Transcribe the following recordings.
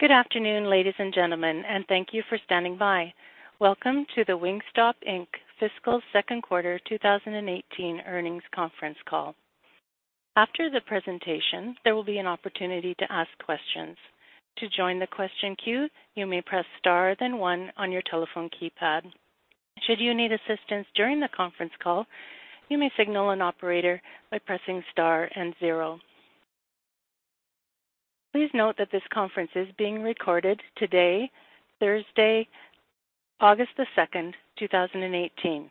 Good afternoon, ladies and gentlemen, and thank you for standing by. Welcome to the Wingstop Inc. fiscal second quarter 2018 earnings conference call. After the presentation, there will be an opportunity to ask questions. To join the question queue, you may press star then one on your telephone keypad. Should you need assistance during the conference call, you may signal an operator by pressing star and zero. Please note that this conference is being recorded today, Thursday, August the 2nd, 2018.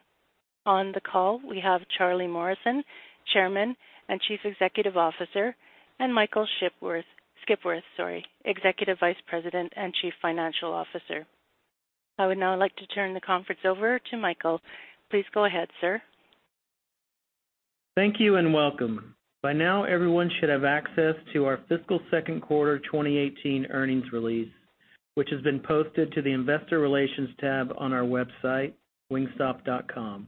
On the call, we have Charlie Morrison, Chairman and Chief Executive Officer, and Michael Skipworth, Executive Vice President and Chief Financial Officer. I would now like to turn the conference over to Michael. Please go ahead, sir. Thank you and welcome. By now everyone should have access to our fiscal second quarter 2018 earnings release, which has been posted to the investor relations tab on our website, wingstop.com.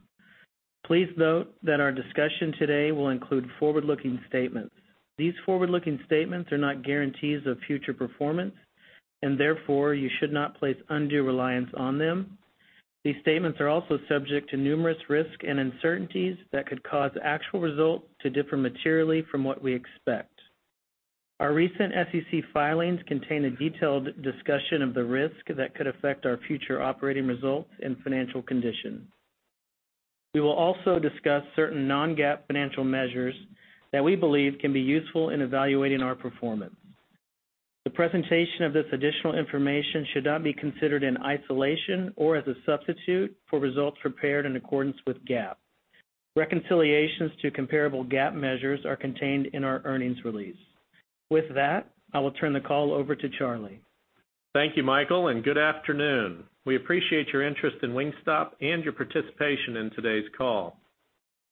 Please note that our discussion today will include forward-looking statements. These forward-looking statements are not guarantees of future performance and therefore you should not place undue reliance on them. These statements are also subject to numerous risks and uncertainties that could cause actual results to differ materially from what we expect. Our recent SEC filings contain a detailed discussion of the risk that could affect our future operating results and financial conditions. We will also discuss certain non-GAAP financial measures that we believe can be useful in evaluating our performance. The presentation of this additional information should not be considered in isolation or as a substitute for results prepared in accordance with GAAP. Reconciliations to comparable GAAP measures are contained in our earnings release. With that, I will turn the call over to Charlie. Thank you, Michael, and good afternoon. We appreciate your interest in Wingstop and your participation in today's call.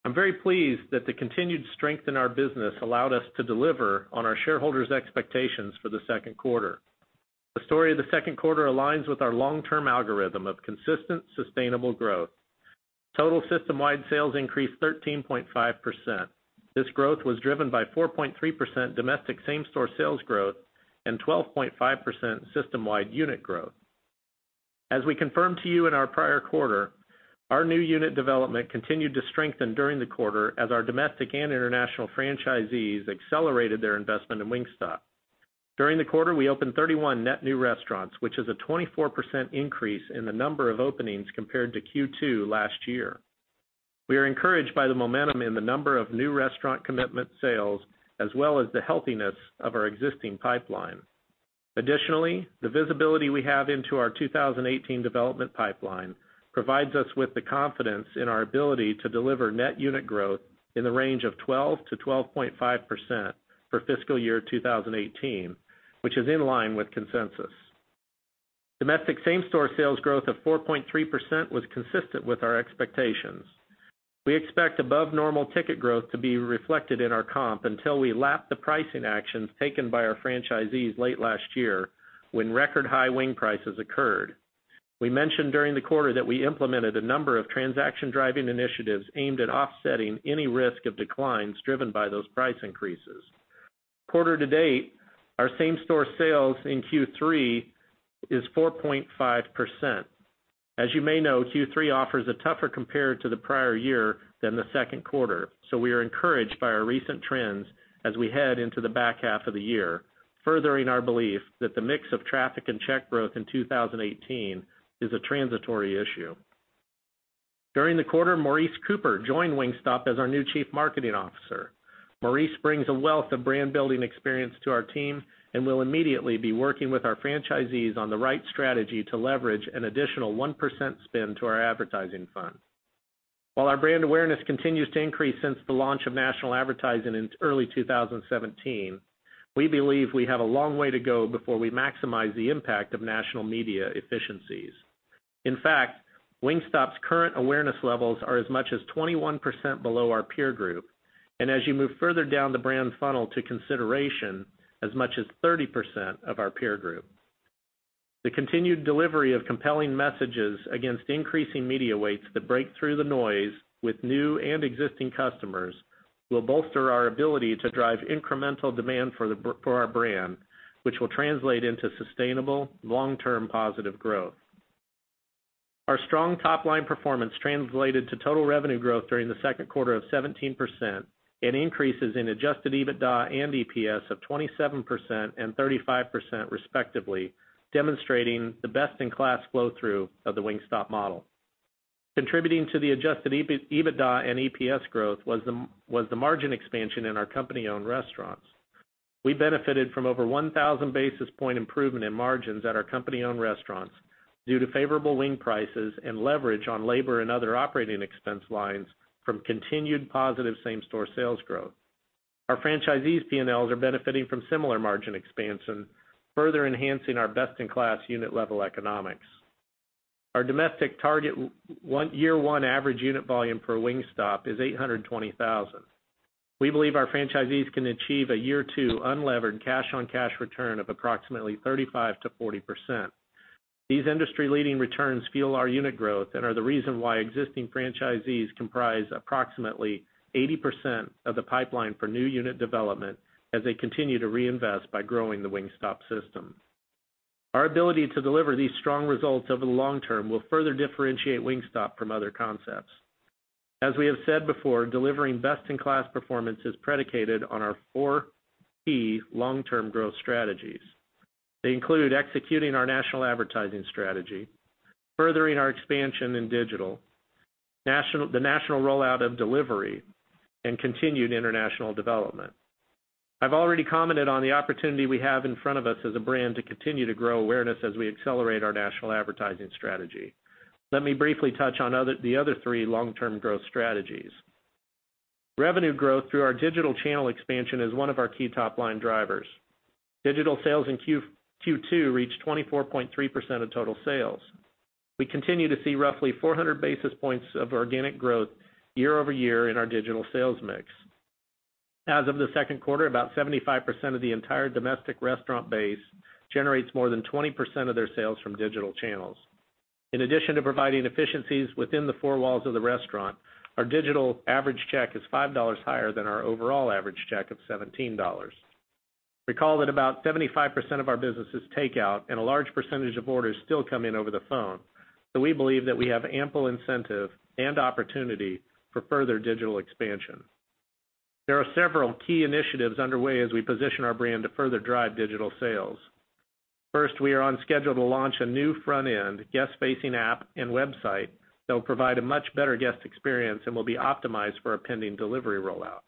I'm very pleased that the continued strength in our business allowed us to deliver on our shareholders' expectations for the second quarter. The story of the second quarter aligns with our long-term algorithm of consistent, sustainable growth. Total system-wide sales increased 13.5%. This growth was driven by 4.3% domestic same-store sales growth and 12.5% system-wide unit growth. As we confirmed to you in our prior quarter, our new unit development continued to strengthen during the quarter as our domestic and international franchisees accelerated their investment in Wingstop. During the quarter, we opened 31 net new restaurants, which is a 24% increase in the number of openings compared to Q2 last year. We are encouraged by the momentum in the number of new restaurant commitment sales, as well as the healthiness of our existing pipeline. The visibility we have into our 2018 development pipeline provides us with the confidence in our ability to deliver net unit growth in the range of 12%-12.5% for fiscal year 2018, which is in line with consensus. Domestic same-store sales growth of 4.3% was consistent with our expectations. We expect above normal ticket growth to be reflected in our comp until we lap the pricing actions taken by our franchisees late last year when record high wing prices occurred. We mentioned during the quarter that we implemented a number of transaction-driving initiatives aimed at offsetting any risk of declines driven by those price increases. Quarter to date, our same-store sales in Q3 is 4.5%. As you may know, Q3 offers a tougher compare to the prior year than the second quarter. We are encouraged by our recent trends as we head into the back half of the year, furthering our belief that the mix of traffic and check growth in 2018 is a transitory issue. During the quarter, Maurice Cooper joined Wingstop as our new Chief Marketing Officer. Maurice brings a wealth of brand-building experience to our team and will immediately be working with our franchisees on the right strategy to leverage an additional 1% spend to our advertising fund. While our brand awareness continues to increase since the launch of national advertising in early 2017, we believe we have a long way to go before we maximize the impact of national media efficiencies. In fact, Wingstop's current awareness levels are as much as 21% below our peer group, and as you move further down the brand funnel to consideration, as much as 30% of our peer group. The continued delivery of compelling messages against increasing media weights that break through the noise with new and existing customers will bolster our ability to drive incremental demand for our brand, which will translate into sustainable, long-term positive growth. Our strong top-line performance translated to total revenue growth during the second quarter of 17% and increases in adjusted EBITDA and EPS of 27% and 35% respectively, demonstrating the best-in-class flow-through of the Wingstop model. Contributing to the adjusted EBITDA and EPS growth was the margin expansion in our company-owned restaurants. We benefited from over 1,000 basis point improvement in margins at our company-owned restaurants due to favorable wing prices and leverage on labor and other operating expense lines from continued positive same-store sales growth. Our franchisees' P&Ls are benefiting from similar margin expansion, further enhancing our best-in-class unit level economics. Our domestic target year one average unit volume per Wingstop is $820,000. We believe our franchisees can achieve a year two unlevered cash-on-cash return of approximately 35%-40%. These industry-leading returns fuel our unit growth and are the reason why existing franchisees comprise approximately 80% of the pipeline for new unit development as they continue to reinvest by growing the Wingstop system. Our ability to deliver these strong results over the long term will further differentiate Wingstop from other concepts. As we have said before, delivering best-in-class performance is predicated on our four key long-term growth strategies. They include executing our national advertising strategy, furthering our expansion in digital, the national rollout of delivery, and continued international development. I've already commented on the opportunity we have in front of us as a brand to continue to grow awareness as we accelerate our national advertising strategy. Let me briefly touch on the other three long-term growth strategies. Revenue growth through our digital channel expansion is one of our key top-line drivers. Digital sales in Q2 reached 24.3% of total sales. We continue to see roughly 400 basis points of organic growth year-over-year in our digital sales mix. As of the second quarter, about 75% of the entire domestic restaurant base generates more than 20% of their sales from digital channels. In addition to providing efficiencies within the four walls of the restaurant, our digital average check is $5 higher than our overall average check of $17. Recall that about 75% of our business is takeout and a large percentage of orders still come in over the phone. We believe that we have ample incentive and opportunity for further digital expansion. There are several key initiatives underway as we position our brand to further drive digital sales. First, we are on schedule to launch a new front end guest-facing app and website that will provide a much better guest experience and will be optimized for a pending delivery rollout.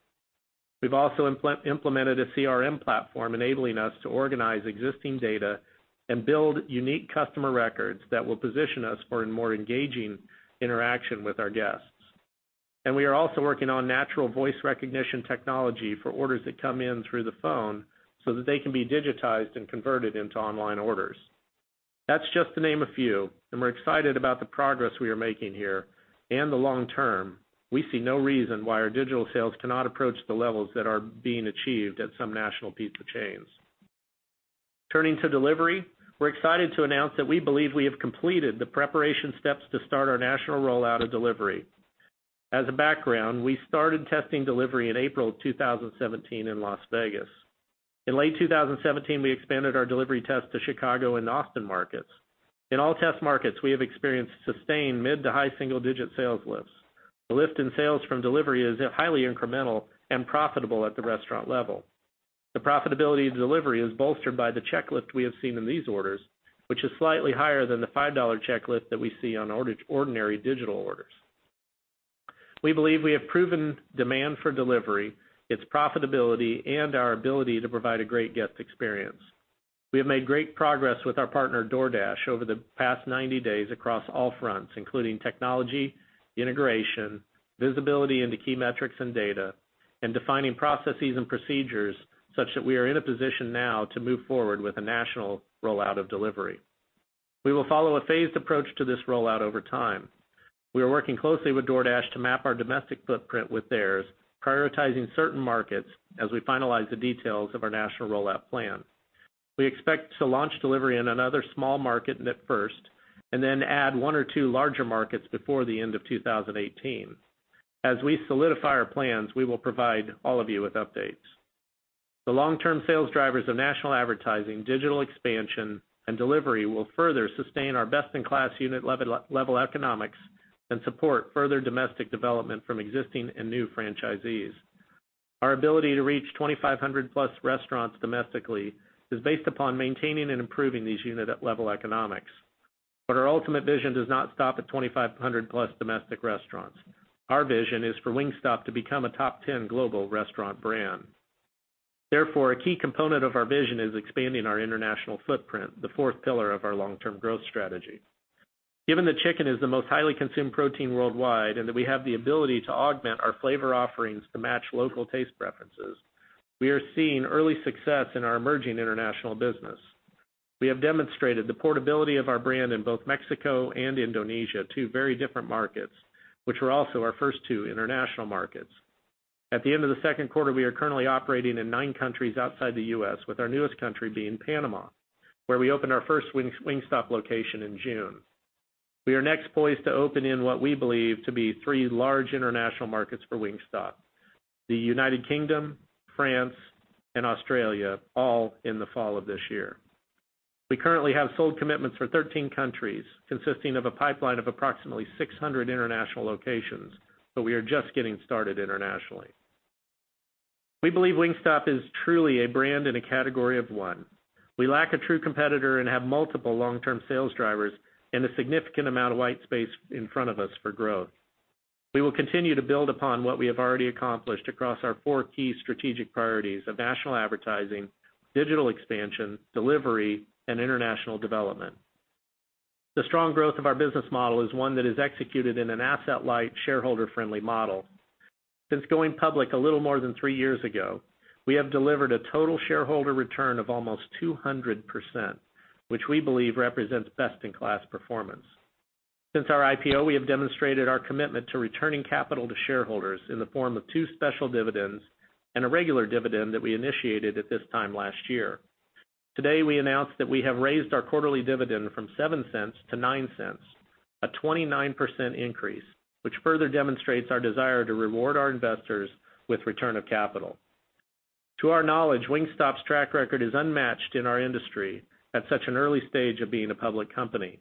We've also implemented a CRM platform enabling us to organize existing data and build unique customer records that will position us for a more engaging interaction with our guests. We are also working on natural voice recognition technology for orders that come in through the phone so that they can be digitized and converted into online orders. That's just to name a few, and we're excited about the progress we are making here and the long term. We see no reason why our digital sales cannot approach the levels that are being achieved at some national pizza chains. Turning to delivery, we're excited to announce that we believe we have completed the preparation steps to start our national rollout of delivery. As a background, we started testing delivery in April 2017 in Las Vegas. In late 2017, we expanded our delivery test to Chicago and Austin markets. In all test markets, we have experienced sustained mid to high single-digit sales lifts. The lift in sales from delivery is highly incremental and profitable at the restaurant level. The profitability of delivery is bolstered by the check lift we have seen in these orders, which is slightly higher than the $5 check lift that we see on ordinary digital orders. We believe we have proven demand for delivery, its profitability, and our ability to provide a great guest experience. We have made great progress with our partner, DoorDash, over the past 90 days across all fronts, including technology, integration, visibility into key metrics and data, and defining processes and procedures such that we are in a position now to move forward with a national rollout of delivery. We will follow a phased approach to this rollout over time. We are working closely with DoorDash to map our domestic footprint with theirs, prioritizing certain markets as we finalize the details of our national rollout plan. We expect to launch delivery in another small market first. Then add one or two larger markets before the end of 2018. As we solidify our plans, we will provide all of you with updates. The long-term sales drivers of national advertising, digital expansion, and delivery will further sustain our best-in-class unit level economics and support further domestic development from existing and new franchisees. Our ability to reach 2,500+ restaurants domestically is based upon maintaining and improving these unit level economics. Our ultimate vision does not stop at 2,500+ domestic restaurants. Our vision is for Wingstop to become a top 10 global restaurant brand. A key component of our vision is expanding our international footprint, the fourth pillar of our long-term growth strategy. Given that chicken is the most highly consumed protein worldwide and that we have the ability to augment our flavor offerings to match local taste preferences, we are seeing early success in our emerging international business. We have demonstrated the portability of our brand in both Mexico and Indonesia, two very different markets, which were also our first two international markets. At the end of the second quarter, we are currently operating in nine countries outside the U.S., with our newest country being Panama, where we opened our first Wingstop location in June. We are next poised to open in what we believe to be three large international markets for Wingstop: the United Kingdom, France, and Australia, all in the fall of this year. We currently have sold commitments for 13 countries, consisting of a pipeline of approximately 600 international locations. We are just getting started internationally. We believe Wingstop is truly a brand and a category of one. We lack a true competitor and have multiple long-term sales drivers and a significant amount of white space in front of us for growth. We will continue to build upon what we have already accomplished across our four key strategic priorities of national advertising, digital expansion, delivery, and international development. The strong growth of our business model is one that is executed in an asset-light, shareholder-friendly model. Since going public a little more than three years ago, we have delivered a total shareholder return of almost 200%, which we believe represents best-in-class performance. Since our IPO, we have demonstrated our commitment to returning capital to shareholders in the form of two special dividends and a regular dividend that we initiated at this time last year. Today, we announced that we have raised our quarterly dividend from $0.07 to $0.09, a 29% increase, which further demonstrates our desire to reward our investors with return of capital. To our knowledge, Wingstop's track record is unmatched in our industry at such an early stage of being a public company.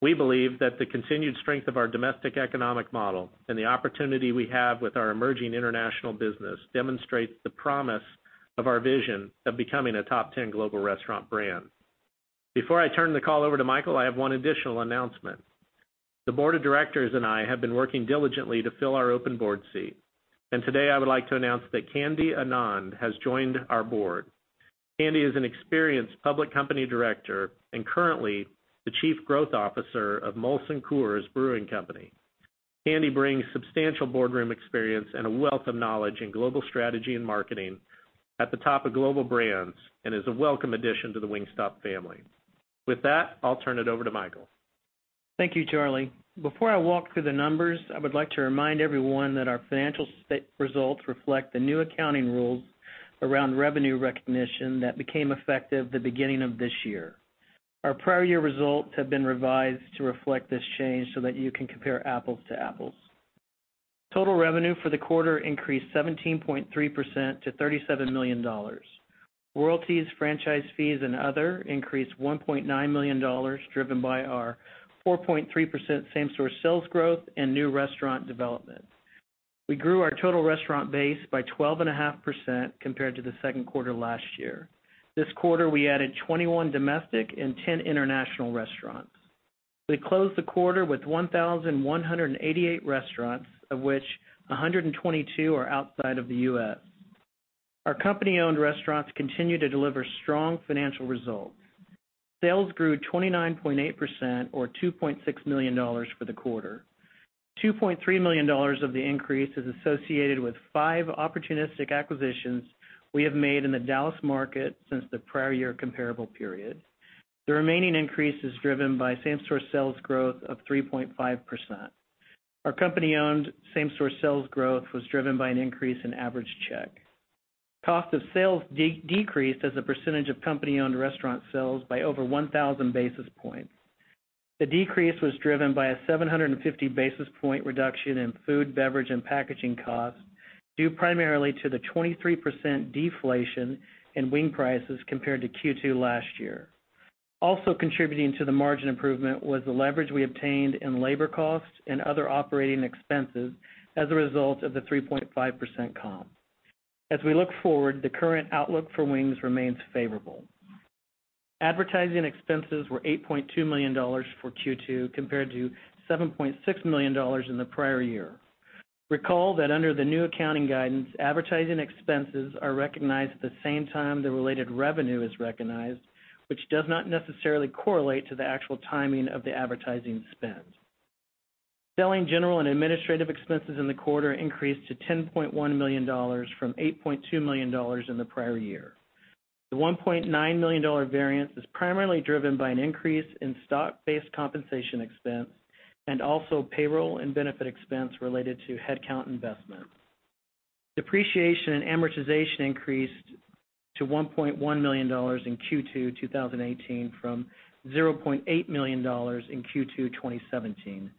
We believe that the continued strength of our domestic economic model and the opportunity we have with our emerging international business demonstrates the promise of our vision of becoming a top 10 global restaurant brand. Before I turn the call over to Michael, I have one additional announcement. The board of directors and I have been working diligently to fill our open board seat, and today I would like to announce that Kandy Anand has joined our board. Kandy is an experienced public company director and currently the Chief Growth Officer of Molson Coors Brewing Company. Kandy brings substantial boardroom experience and a wealth of knowledge in global strategy and marketing at the top of global brands and is a welcome addition to the Wingstop family. With that, I'll turn it over to Michael. Thank you, Charlie. Before I walk through the numbers, I would like to remind everyone that our financial results reflect the new accounting rules around revenue recognition that became effective the beginning of this year. Our prior year results have been revised to reflect this change so that you can compare apples to apples. Total revenue for the quarter increased 17.3% to $37 million. Royalties, franchise fees, and other increased $1.9 million, driven by our 4.3% same-store sales growth and new restaurant development. We grew our total restaurant base by 12.5% compared to the second quarter last year. This quarter, we added 21 domestic and 10 international restaurants. We closed the quarter with 1,188 restaurants, of which 122 are outside of the U.S. Our company-owned restaurants continue to deliver strong financial results. Sales grew 29.8%, or $2.6 million for the quarter. $2.3 million of the increase is associated with five opportunistic acquisitions we have made in the Dallas market since the prior year comparable period. The remaining increase is driven by same-store sales growth of 3.5%. Our company-owned same-store sales growth was driven by an increase in average check. Cost of sales decreased as a percentage of company-owned restaurant sales by over 1,000 basis points. The decrease was driven by a 750 basis point reduction in food, beverage, and packaging costs, due primarily to the 23% deflation in wing prices compared to Q2 last year. Also contributing to the margin improvement was the leverage we obtained in labor costs and other operating expenses as a result of the 3.5% comp. We look forward, the current outlook for wings remains favorable. Advertising expenses were $8.2 million for Q2 compared to $7.6 million in the prior year. Recall that under the new accounting guidance, advertising expenses are recognized at the same time the related revenue is recognized, which does not necessarily correlate to the actual timing of the advertising spend. Selling, general, and administrative expenses in the quarter increased to $10.1 million from $8.2 million in the prior year. The $1.9 million variance is primarily driven by an increase in stock-based compensation expense and also payroll and benefit expense related to headcount investment. Depreciation and amortization increased to $1.1 million in Q2 2018 from $0.8 million in Q2 2017.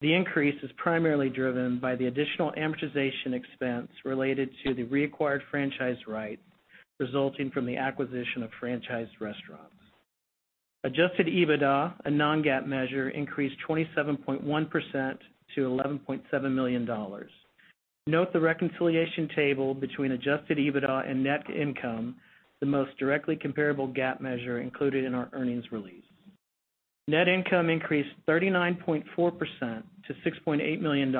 The increase is primarily driven by the additional amortization expense related to the reacquired franchise rights resulting from the acquisition of franchised restaurants. Adjusted EBITDA, a non-GAAP measure, increased 27.1% to $11.7 million. Note the reconciliation table between adjusted EBITDA and net income, the most directly comparable GAAP measure included in our earnings release. Net income increased 39.4% to $6.8 million,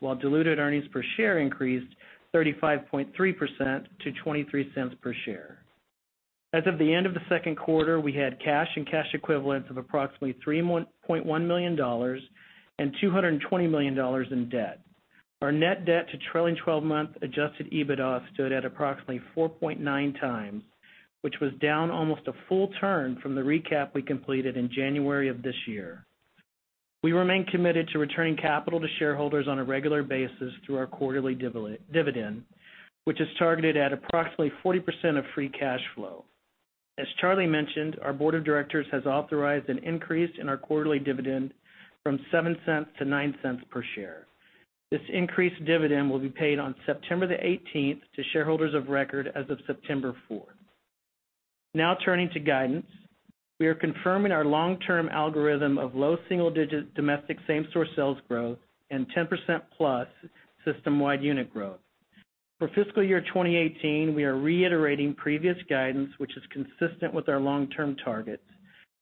while diluted earnings per share increased 35.3% to $0.23 per share. As of the end of the second quarter, we had cash and cash equivalents of approximately $3.1 million and $220 million in debt. Our net debt to trailing 12-month adjusted EBITDA stood at approximately 4.9 times, which was down almost a full turn from the recap we completed in January of this year. We remain committed to returning capital to shareholders on a regular basis through our quarterly dividend, which is targeted at approximately 40% of free cash flow. As Charlie mentioned, our board of directors has authorized an increase in our quarterly dividend from $0.07 to $0.09 per share. This increased dividend will be paid on September the 18th to shareholders of record as of September 4th. Turning to guidance. We are confirming our long-term algorithm of low single-digit domestic same-store sales growth and 10% plus system-wide unit growth. For fiscal year 2018, we are reiterating previous guidance, which is consistent with our long-term targets,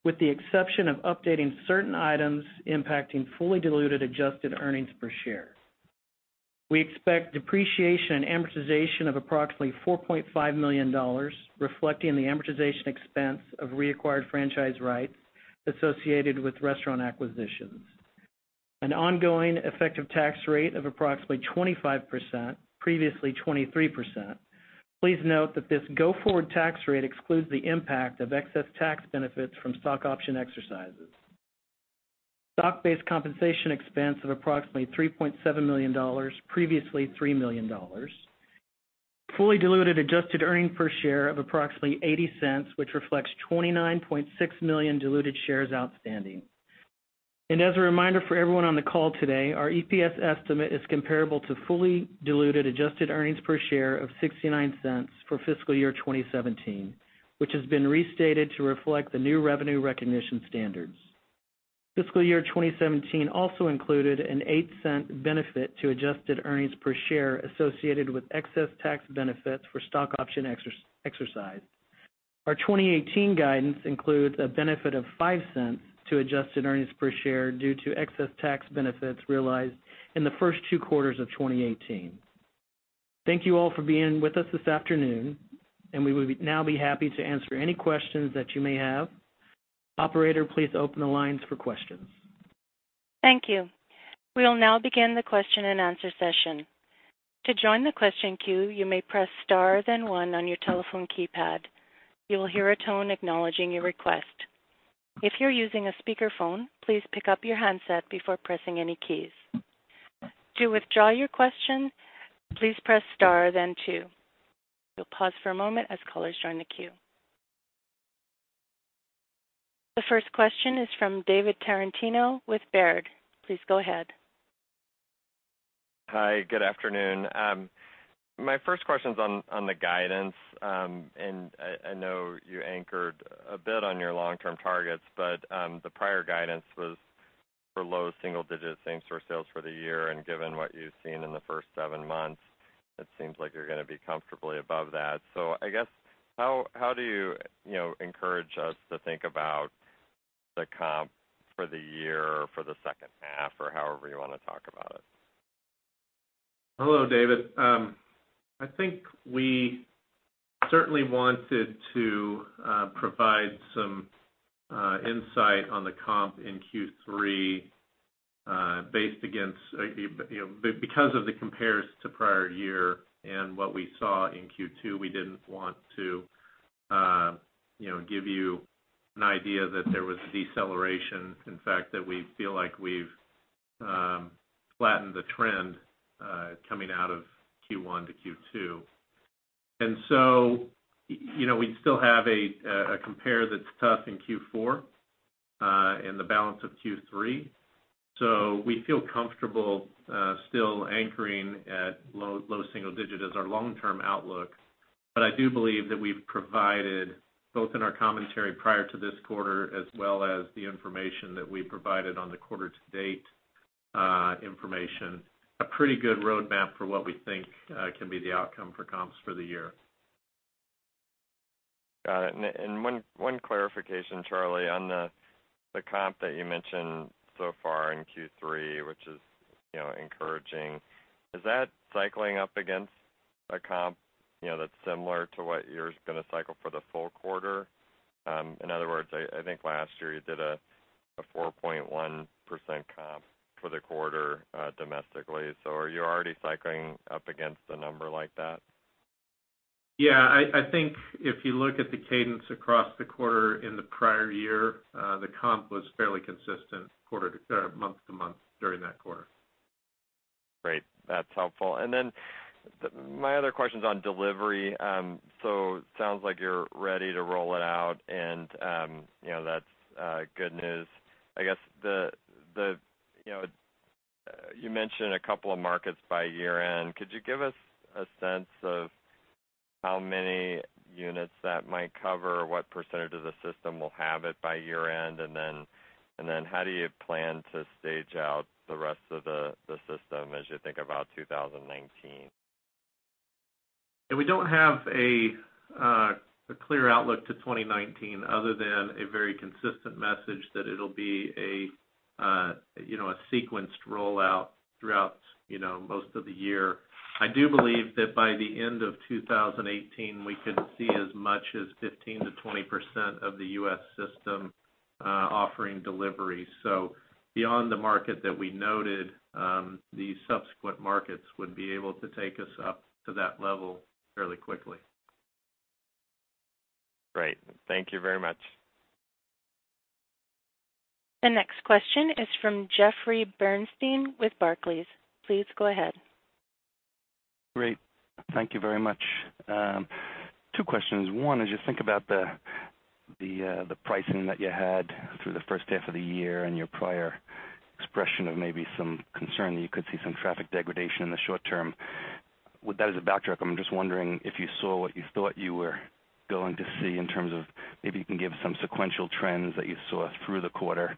with the exception of updating certain items impacting fully diluted adjusted earnings per share. We expect depreciation and amortization of approximately $4.5 million, reflecting the amortization expense of reacquired franchise rights associated with restaurant acquisitions. An ongoing effective tax rate of approximately 25%, previously 23%. Please note that this go-forward tax rate excludes the impact of excess tax benefits from stock option exercises. Stock-based compensation expense of approximately $3.7 million, previously $3 million. Fully diluted adjusted earnings per share of approximately $0.80, which reflects 29.6 million diluted shares outstanding. As a reminder for everyone on the call today, our EPS estimate is comparable to fully diluted adjusted earnings per share of $0.69 for fiscal year 2017, which has been restated to reflect the new revenue recognition standards. Fiscal year 2017 also included an $0.08 benefit to adjusted earnings per share associated with excess tax benefits for stock option exercise. Our 2018 guidance includes a benefit of $0.05 to adjusted earnings per share due to excess tax benefits realized in the first two quarters of 2018. Thank you all for being with us this afternoon, we would now be happy to answer any questions that you may have. Operator, please open the lines for questions. Thank you. We will now begin the question-and-answer session. To join the question queue, you may press star then one on your telephone keypad. You will hear a tone acknowledging your request. If you're using a speakerphone, please pick up your handset before pressing any keys. To withdraw your question, please press star then two. We'll pause for a moment as callers join the queue. The first question is from David Tarantino with Baird. Please go ahead. Hi, good afternoon. My first question's on the guidance. I know you anchored a bit on your long-term targets, the prior guidance was for low single digit same store sales for the year, and given what you've seen in the first seven months, it seems like you're going to be comfortably above that. I guess how do you encourage us to think about the comp for the year or for the second half or however you want to talk about it? Hello, David. I think we certainly wanted to provide some insight on the comp in Q3. Because of the compares to prior year and what we saw in Q2, we didn't want to give you an idea that there was deceleration. In fact, that we feel like we've flattened the trend, coming out of Q1 to Q2. We still have a compare that's tough in Q4, and the balance of Q3. We feel comfortable still anchoring at low single digit as our long-term outlook. I do believe that we've provided, both in our commentary prior to this quarter as well as the information that we provided on the quarter to date information, a pretty good roadmap for what we think can be the outcome for comps for the year. Got it. One clarification, Charlie, on the comp that you mentioned so far in Q3, which is encouraging. Is that cycling up against a comp that's similar to what you're going to cycle for the full quarter? In other words, I think last year you did a 4.1% comp for the quarter domestically. Are you already cycling up against a number like that? Yeah. I think if you look at the cadence across the quarter in the prior year, the comp was fairly consistent month-to-month during that quarter. Great. That's helpful. My other question's on delivery. Sounds like you're ready to roll it out and that's good news. I guess you mentioned a couple of markets by year-end. Could you give us a sense of how many units that might cover, what percentage of the system will have it by year-end, and then how do you plan to stage out the rest of the system as you think about 2019? Yeah. We don't have a clear outlook to 2019 other than a very consistent message that it'll be a sequenced rollout throughout most of the year. I do believe that by the end of 2018, we could see as much as 15%-20% of the U.S. system offering delivery. Beyond the market that we noted, the subsequent markets would be able to take us up to that level fairly quickly. Great. Thank you very much. The next question is from Jeffrey Bernstein with Barclays. Please go ahead. Great. Thank you very much. Two questions. One, as you think about the pricing that you had through the first half of the year and your prior expression of maybe some concern that you could see some traffic degradation in the short term, with that as a backdrop, I'm just wondering if you saw what you thought you were going to see in terms of maybe you can give some sequential trends that you saw through the quarter.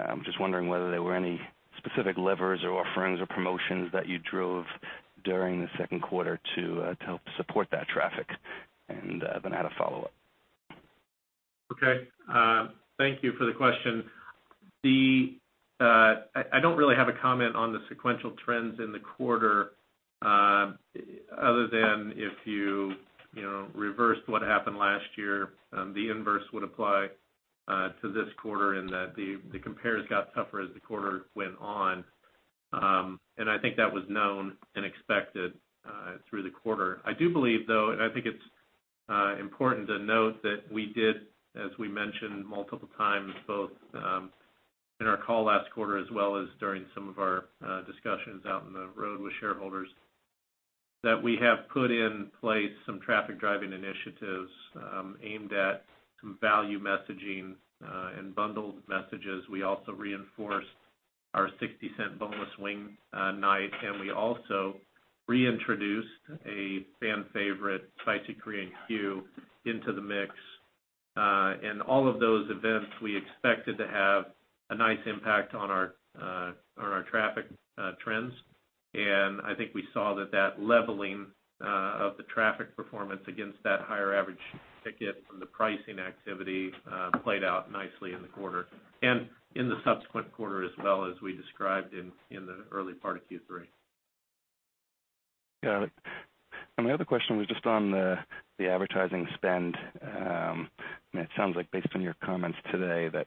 I'm just wondering whether there were any specific levers or offerings or promotions that you drove during the second quarter to help support that traffic. Then I had a follow-up. Okay. Thank you for the question. I don't really have a comment on the sequential trends in the quarter, other than if you reverse what happened last year, the inverse would apply to this quarter in that the compares got tougher as the quarter went on. I think that was known and expected through the quarter. I do believe, though, and I think it's important to note that we did, as we mentioned multiple times, both in our call last quarter as well as during some of our discussions out in the road with shareholders, that we have put in place some traffic-driving initiatives aimed at some value messaging and bundled messages. We also reinforced our $0.60 boneless wing night, and we also reintroduced a fan favorite, Spicy Korean Q into the mix. All of those events we expected to have a nice impact on our traffic trends. I think we saw that that leveling of the traffic performance against that higher average ticket from the pricing activity played out nicely in the quarter and in the subsequent quarter as well as we described in the early part of Q3. My other question was just on the advertising spend. It sounds like based on your comments today, that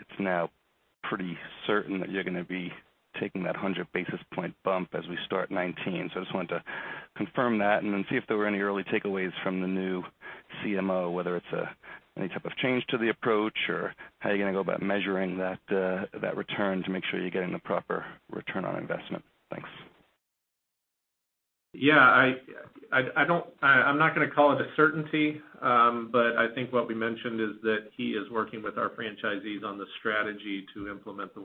it's now pretty certain that you're going to be taking that 100 basis point bump as we start 2019. I just wanted to confirm that and then see if there were any early takeaways from the new CMO, whether it's any type of change to the approach or how you're going to go about measuring that return to make sure you're getting the proper return on investment. Thanks. I'm not going to call it a certainty, but I think what we mentioned is that he is working with our franchisees on the strategy to implement the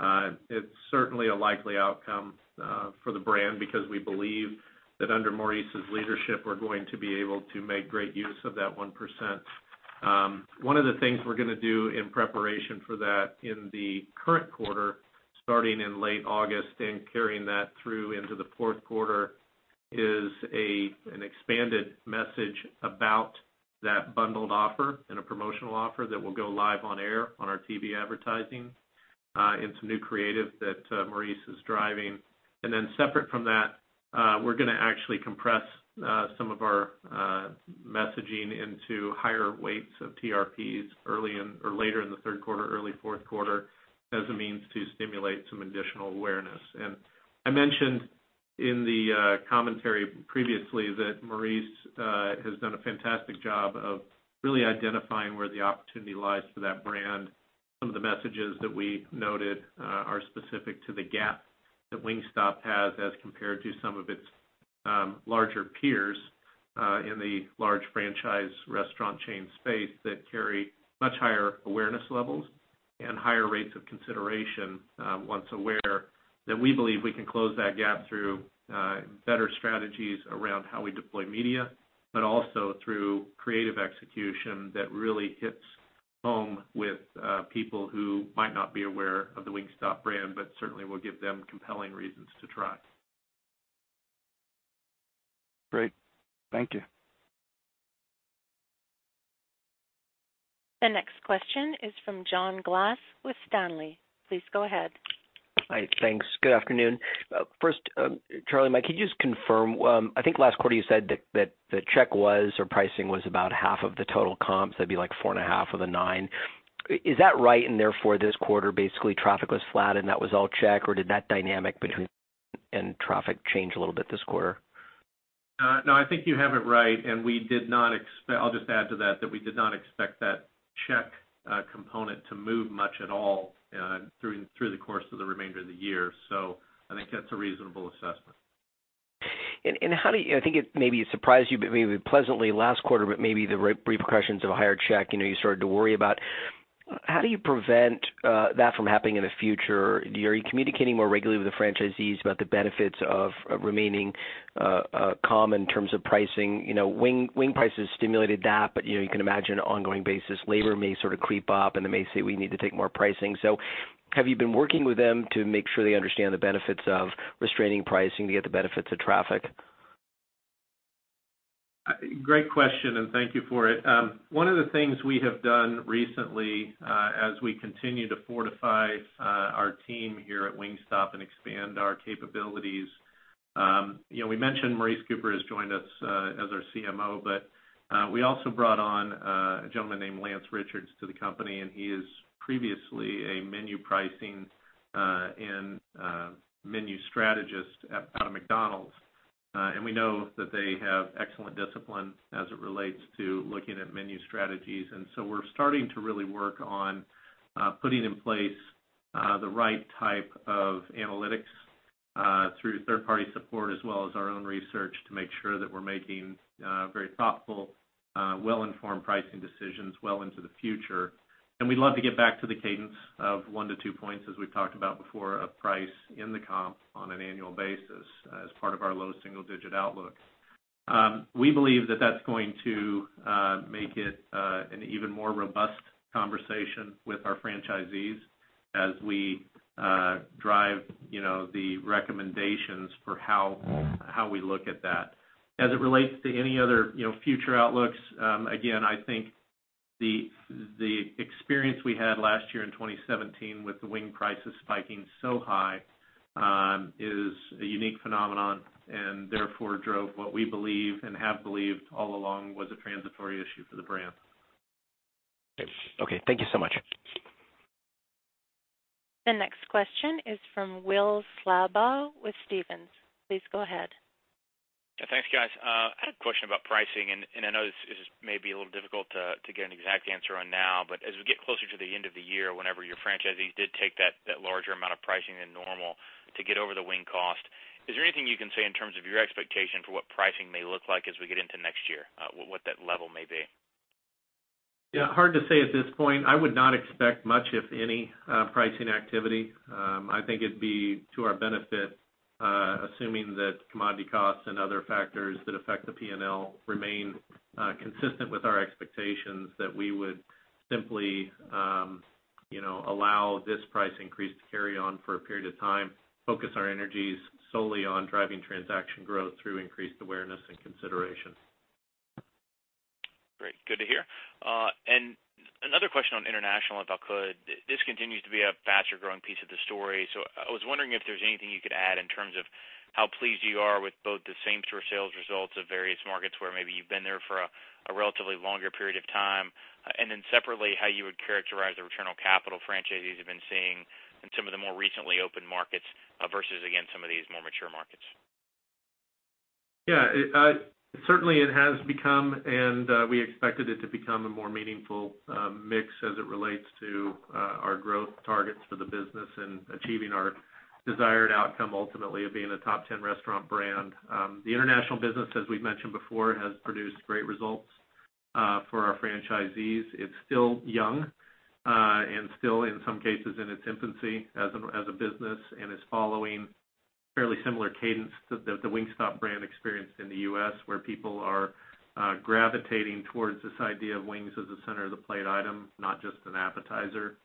1%. It's certainly a likely outcome for the brand because we believe that under Maurice's leadership, we're going to be able to make great use of that 1%. One of the things we're going to do in preparation for that in the current quarter, starting in late August and carrying that through into the fourth quarter, is an expanded message about that bundled offer and a promotional offer that will go live on air on our TV advertising, and some new creative that Maurice is driving. Separate from that, we're going to actually compress some of our messaging into higher weights of TRPs later in the third quarter, early fourth quarter, as a means to stimulate some additional awareness. I mentioned in the commentary previously that Maurice has done a fantastic job of really identifying where the opportunity lies for that brand. Some of the messages that we noted are specific to the gap that Wingstop has as compared to some of its larger peers in the large franchise restaurant chain space that carry much higher awareness levels and higher rates of consideration once aware, that we believe we can close that gap through better strategies around how we deploy media, but also through creative execution that really hits home with people who might not be aware of the Wingstop brand, but certainly will give them compelling reasons to try. Great. Thank you. The next question is from John Glass with Stanley. Please go ahead. Hi. Thanks. Good afternoon. First, Charlie, could you just confirm, I think last quarter you said that the check was, or pricing was about half of the total comps. That'd be like 4.5 of the 9. Is that right, and therefore this quarter, basically traffic was flat and that was all check, or did that dynamic between check and traffic change a little bit this quarter? No, I think you have it right, and I'll just add to that we did not expect that check component to move much at all through the course of the remainder of the year. I think that's a reasonable assessment. I think it maybe surprised you, but maybe pleasantly last quarter, but maybe the repercussions of a higher check, you started to worry about. How do you prevent that from happening in the future? Are you communicating more regularly with the franchisees about the benefits of remaining calm in terms of pricing? Wing prices stimulated that, but you can imagine ongoing basis, labor may sort of creep up and they may say we need to take more pricing. Have you been working with them to make sure they understand the benefits of restraining pricing to get the benefits of traffic? Great question. Thank you for it. One of the things we have done recently, as we continue to fortify our team here at Wingstop and expand our capabilities, we mentioned Maurice Cooper has joined us as our CMO, but we also brought on a gentleman named Lance Richards to the company. He is previously a menu pricing and menu strategist out of McDonald's. We know that they have excellent discipline as it relates to looking at menu strategies. We're starting to really work on putting in place the right type of analytics through third-party support as well as our own research to make sure that we're making very thoughtful, well-informed pricing decisions well into the future. We'd love to get back to the cadence of one to two points, as we've talked about before, of price in the comp on an annual basis as part of our low single-digit outlook. We believe that that's going to make it an even more robust conversation with our franchisees. We drive the recommendations for how we look at that. It relates to any other future outlooks, again, I think the experience we had last year in 2017 with the wing prices spiking so high, is a unique phenomenon. Therefore drove what we believe and have believed all along was a transitory issue for the brand. Okay. Thank you so much. The next question is from Will Slabaugh with Stephens. Please go ahead. Yeah. Thanks, guys. I had a question about pricing. I know this is maybe a little difficult to get an exact answer on now, but as we get closer to the end of the year, whenever your franchisees did take that larger amount of pricing than normal to get over the wing cost, is there anything you can say in terms of your expectation for what pricing may look like as we get into next year? What that level may be? Yeah, hard to say at this point. I would not expect much, if any, pricing activity. I think it'd be to our benefit, assuming that commodity costs and other factors that affect the P&L remain consistent with our expectations, that we would simply allow this price increase to carry on for a period of time, focus our energies solely on driving transaction growth through increased awareness and consideration. Great. Good to hear. Another question on international, if I could. This continues to be a faster-growing piece of the story, so I was wondering if there's anything you could add in terms of how pleased you are with both the same-store sales results of various markets where maybe you've been there for a relatively longer period of time, and then separately, how you would characterize the return on capital franchisees have been seeing in some of the more recently opened markets versus, again, some of these more mature markets. Yeah. Certainly it has become, and we expected it to become, a more meaningful mix as it relates to our growth targets for the business and achieving our desired outcome ultimately of being a top 10 restaurant brand. The international business, as we've mentioned before, has produced great results for our franchisees. It's still young, and still in some cases in its infancy as a business, and is following fairly similar cadence to the Wingstop brand experience in the U.S., where people are gravitating towards this idea of wings as a center-of-the-plate item, not just an appetizer.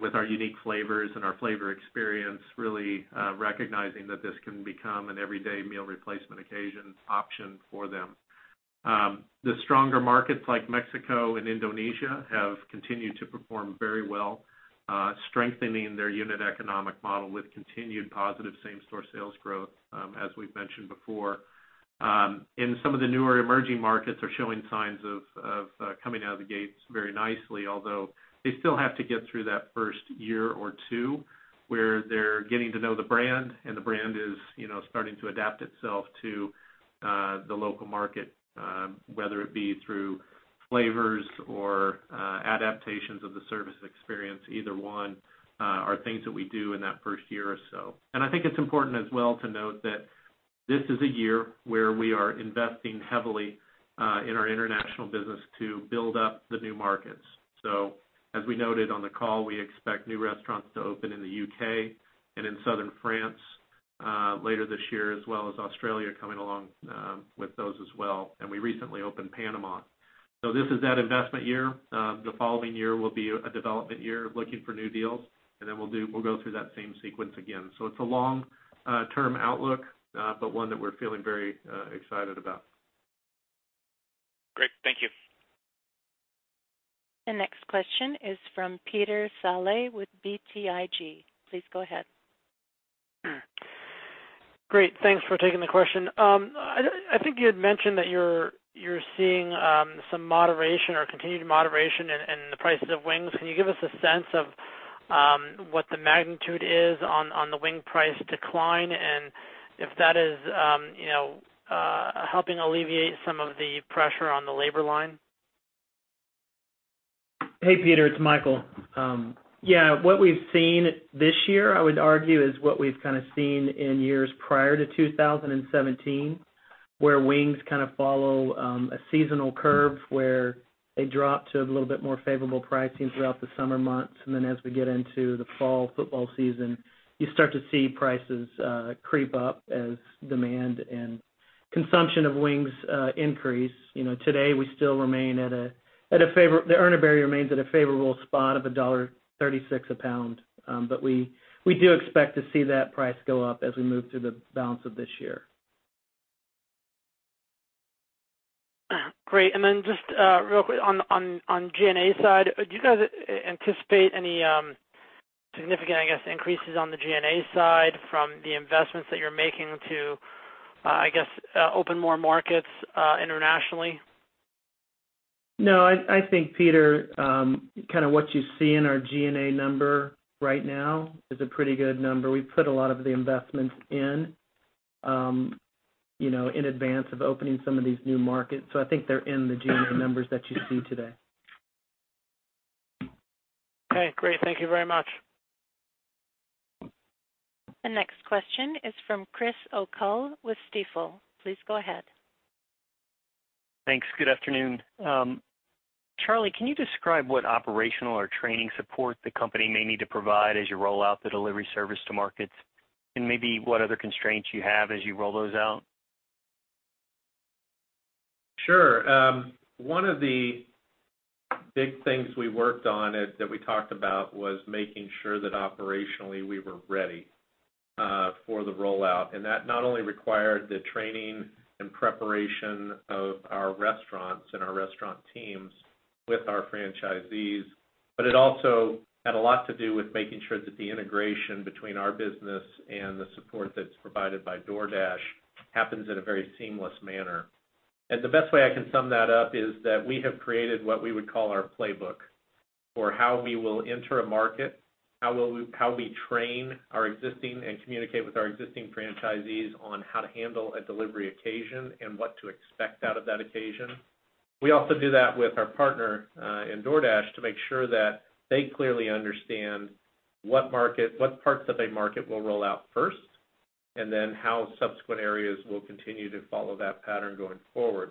With our unique flavors and our flavor experience, really recognizing that this can become an everyday meal replacement occasion option for them. The stronger markets like Mexico and Indonesia have continued to perform very well, strengthening their unit economic model with continued positive same-store sales growth, as we've mentioned before. Some of the newer emerging markets are showing signs of coming out of the gates very nicely, although they still have to get through that first year or two, where they're getting to know the brand, and the brand is starting to adapt itself to the local market, whether it be through flavors or adaptations of the service experience, either one, are things that we do in that first year or so. I think it's important as well to note that this is a year where we are investing heavily in our international business to build up the new markets. As we noted on the call, we expect new restaurants to open in the U.K. and in Southern France later this year, as well as Australia coming along with those as well. We recently opened Panama. This is that investment year. The following year will be a development year of looking for new deals, and then we'll go through that same sequence again. It's a long-term outlook, but one that we're feeling very excited about. Great. Thank you. The next question is from Peter Saleh with BTIG. Please go ahead. Great. Thanks for taking the question. I think you had mentioned that you're seeing some moderation or continued moderation in the prices of wings. Can you give us a sense of what the magnitude is on the wing price decline and if that is helping alleviate some of the pressure on the labor line? Hey, Peter, it's Michael. Yeah. What we've seen this year, I would argue, is what we've kind of seen in years prior to 2017, where wings kind of follow a seasonal curve, where they drop to a little bit more favorable pricing throughout the summer months. As we get into the fall football season, you start to see prices creep up as demand and consumption of wings increase. Today, the earner remains at a favorable spot of $1.36 a pound. We do expect to see that price go up as we move through the balance of this year. Great. Just real quick, on G&A side, do you guys anticipate any significant, I guess, increases on the G&A side from the investments that you're making to, I guess, open more markets internationally? No. I think, Peter, kind of what you see in our G&A number right now is a pretty good number. We put a lot of the investments in advance of opening some of these new markets, so I think they're in the G&A numbers that you see today. Okay, great. Thank you very much. The next question is from Chris O'Cull with Stifel. Please go ahead. Thanks. Good afternoon. Charlie, can you describe what operational or training support the company may need to provide as you roll out the delivery service to markets? Maybe what other constraints you have as you roll those out? Sure. One of the big things we worked on that we talked about was making sure that operationally we were ready for the rollout. That not only required the training and preparation of our restaurants and our restaurant teams with our franchisees, but it also had a lot to do with making sure that the integration between our business and the support that's provided by DoorDash happens in a very seamless manner. The best way I can sum that up is that we have created what we would call our playbook for how we will enter a market, how we train our existing and communicate with our existing franchisees on how to handle a delivery occasion and what to expect out of that occasion. We also do that with our partner in DoorDash to make sure that they clearly understand what parts of a market we'll roll out first, how subsequent areas will continue to follow that pattern going forward.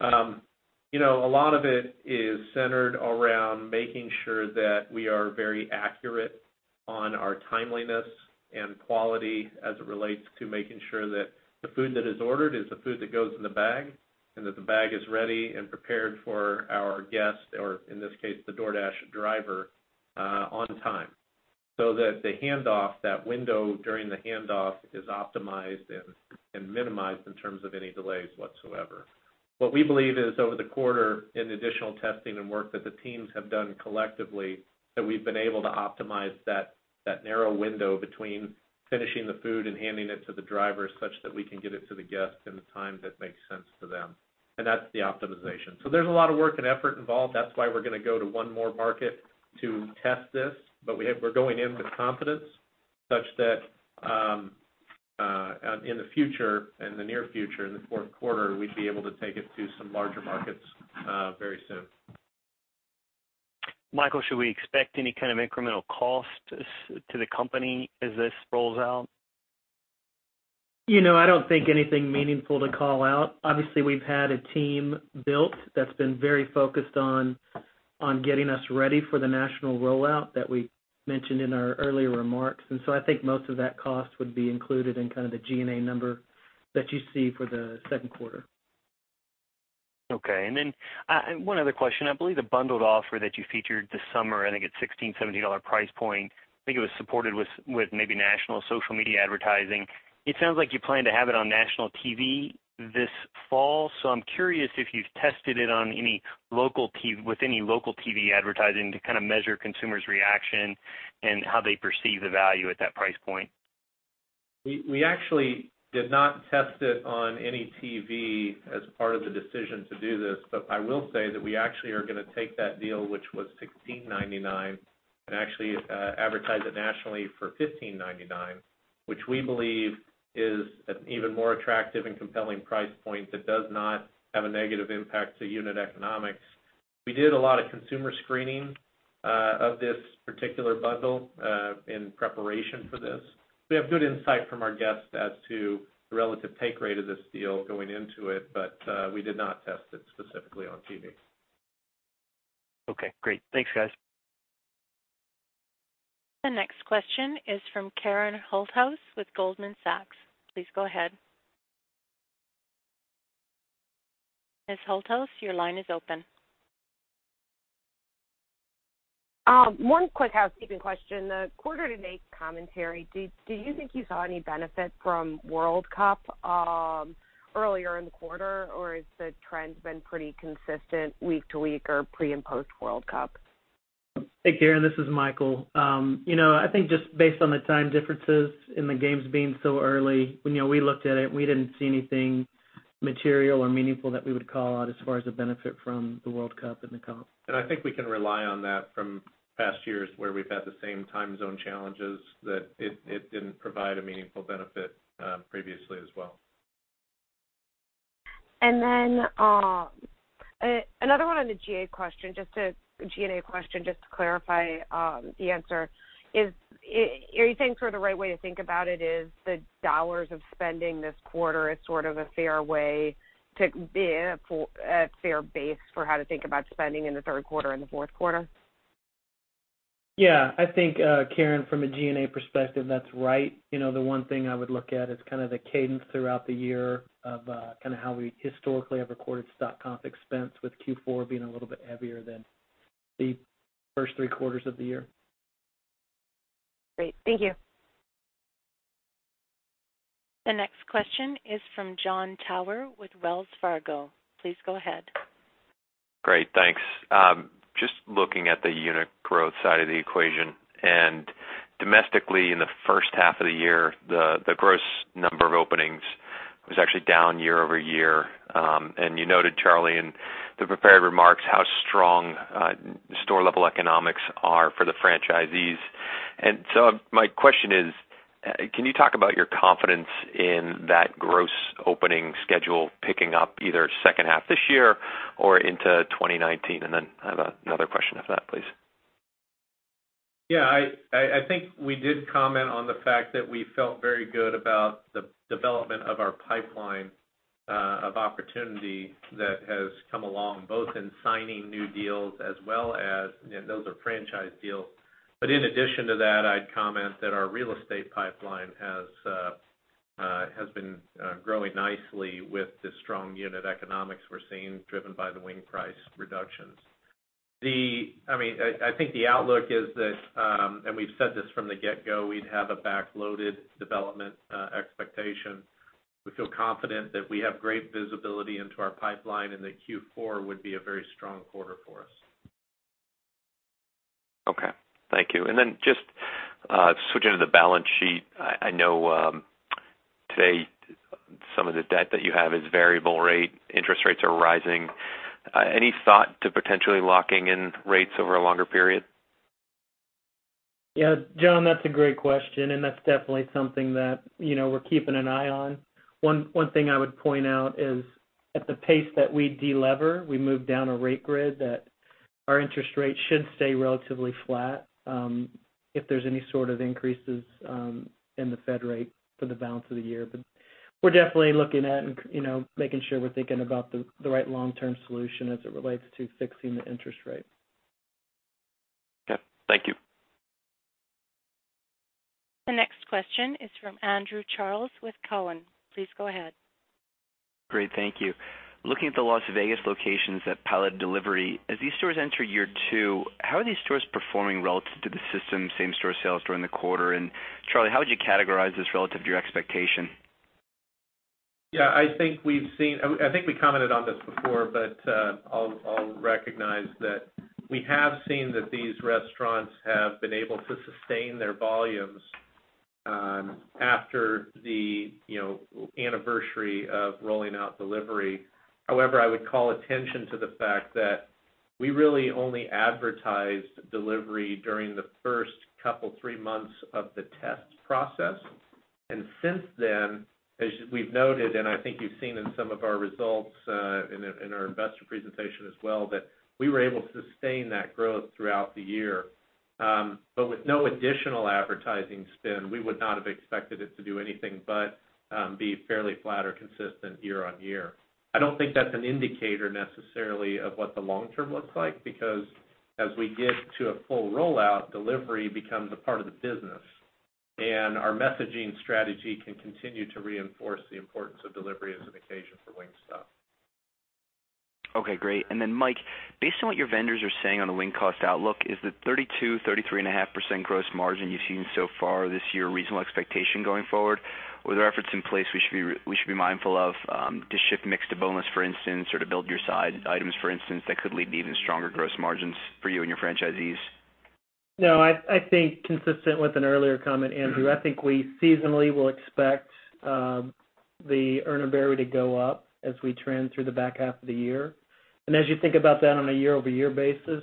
A lot of it is centered around making sure that we are very accurate on our timeliness and quality as it relates to making sure that the food that is ordered is the food that goes in the bag, and that the bag is ready and prepared for our guest, or in this case, the DoorDash driver, on time, so that the handoff, that window during the handoff is optimized and minimized in terms of any delays whatsoever. What we believe is over the quarter, in additional testing and work that the teams have done collectively, that we've been able to optimize that narrow window between finishing the food and handing it to the driver such that we can get it to the guest in the time that makes sense to them. That's the optimization. There's a lot of work and effort involved. That's why we're going to go to one more market to test this. We're going in with confidence such that, in the future, in the near future, in the fourth quarter, we'd be able to take it to some larger markets very soon. Michael, should we expect any kind of incremental cost to the company as this rolls out? I don't think anything meaningful to call out. Obviously, we've had a team built that's been very focused on getting us ready for the national rollout that we mentioned in our earlier remarks. I think most of that cost would be included in kind of the G&A number that you see for the second quarter. Okay. One other question. I believe the bundled offer that you featured this summer, I think it's $16, $17 price point. I think it was supported with maybe national social media advertising. It sounds like you plan to have it on national TV this fall. I'm curious if you've tested it with any local TV advertising to kind of measure consumers' reaction and how they perceive the value at that price point. We actually did not test it on any TV as part of the decision to do this. I will say that we actually are going to take that deal, which was $16.99, and actually advertise it nationally for $15.99, which we believe is an even more attractive and compelling price point that does not have a negative impact to unit economics. We did a lot of consumer screening of this particular bundle, in preparation for this. We have good insight from our guests as to the relative take rate of this deal going into it, but we did not test it specifically on TV. Okay, great. Thanks, guys. The next question is from Karen Holthouse with Goldman Sachs. Please go ahead. Ms. Holthouse, your line is open. One quick housekeeping question. The quarter to date commentary, do you think you saw any benefit from World Cup earlier in the quarter, or has the trend been pretty consistent week to week or pre and post World Cup? Hey, Karen, this is Michael. I think just based on the time differences and the games being so early, when we looked at it, we didn't see anything material or meaningful that we would call out as far as the benefit from the World Cup in the comp. I think we can rely on that from past years where we've had the same time zone challenges, that it didn't provide a meaningful benefit previously as well. Another one on the G&A question, just a G&A question just to clarify the answer is, are you saying sort of the right way to think about it is the dollars of spending this quarter is sort of a fair way to be a fair base for how to think about spending in the third quarter and the fourth quarter? Yeah. I think, Karen, from a G&A perspective, that's right. The one thing I would look at is kind of the cadence throughout the year of how we historically have recorded stock comp expense with Q4 being a little bit heavier than the first three quarters of the year. Great. Thank you. The next question is from John Tower with Wells Fargo. Please go ahead. Great. Thanks. Just looking at the unit growth side of the equation, domestically in the first half of the year, the gross number of openings was actually down year-over-year. You noted, Charlie, in the prepared remarks, how strong store level economics are for the franchisees. My question is, can you talk about your confidence in that gross opening schedule picking up either second half this year or into 2019? I have another question after that, please. Yeah, I think we did comment on the fact that we felt very good about the development of our pipeline of opportunity that has come along, both in signing new deals as well as, those are franchise deals. In addition to that, I'd comment that our real estate pipeline has been growing nicely with the strong unit economics we're seeing driven by the wing price reductions. I think the outlook is that, and we've said this from the get-go, we'd have a back-loaded development expectation. We feel confident that we have great visibility into our pipeline and that Q4 would be a very strong quarter for us. Okay. Thank you. Then just switching to the balance sheet, I know today some of the debt that you have is variable rate. Interest rates are rising. Any thought to potentially locking in rates over a longer period? Yeah, John, that's a great question, and that's definitely something that we're keeping an eye on. One thing I would point out is at the pace that we de-lever, we move down a rate grid that our interest rate should stay relatively flat if there's any sort of increases in the Fed rate for the balance of the year. We're definitely looking at and making sure we're thinking about the right long-term solution as it relates to fixing the interest rate. Okay. Thank you. The next question is from Andrew Charles with Cowen. Please go ahead. Great. Thank you. Looking at the Las Vegas locations that pilot delivery, as these stores enter year two, how are these stores performing relative to the system same-store sales during the quarter? Charlie, how would you categorize this relative to your expectation? Yeah, I think we commented on this before, but I'll recognize that we have seen that these restaurants have been able to sustain their volumes after the anniversary of rolling out delivery. However, I would call attention to the fact that we really only advertised delivery during the first couple, three months of the test process. Since then, as we've noted, and I think you've seen in some of our results in our investor presentation as well, that we were able to sustain that growth throughout the year. With no additional advertising spin, we would not have expected it to do anything but be fairly flat or consistent year-on-year. I don't think that's an indicator necessarily of what the long term looks like, because as we get to a full rollout, delivery becomes a part of the business, and our messaging strategy can continue to reinforce the importance of delivery as an occasion for Wingstop. Okay, great. Mike, based on what your vendors are saying on the wing cost outlook, is the 32%-33.5% gross margin you've seen so far this year a reasonable expectation going forward? Are there efforts in place we should be mindful of to shift mix to boneless, for instance, or to build your side items, for instance, that could lead to even stronger gross margins for you and your franchisees? No, I think consistent with an earlier comment, Andrew, I think we seasonally will expect the Urner Barry to go up as we trend through the back half of the year. As you think about that on a year-over-year basis,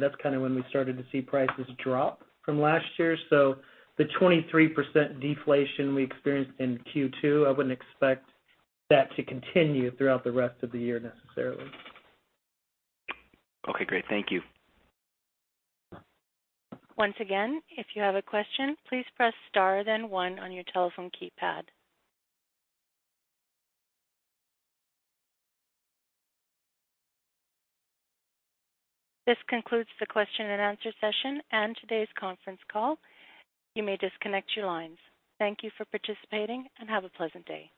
that's kind of when we started to see prices drop from last year. The 23% deflation we experienced in Q2, I wouldn't expect that to continue throughout the rest of the year necessarily. Okay, great. Thank you. Once again, if you have a question, please press star then one on your telephone keypad. This concludes the question and answer session and today's conference call. You may disconnect your lines. Thank you for participating, and have a pleasant day.